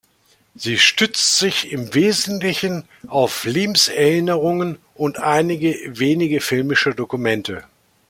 Sie stützt sich im Wesentlichen auf Lebenserinnerungen und einige wenige filmische Dokumente.